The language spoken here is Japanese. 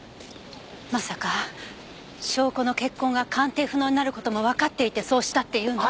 まさか証拠の血痕が鑑定不能になる事もわかっていてそうしたって言うの？